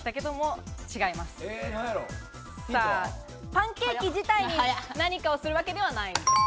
パンケーキ自体に何かをするわけではない。